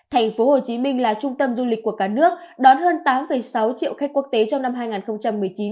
thành phố hồ chí minh là trung tâm du lịch của cả nước đón hơn tám sáu triệu khách quốc tế trong năm hai nghìn một mươi chín